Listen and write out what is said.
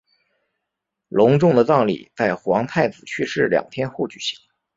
隆重的葬礼在皇太子去世两天后举行。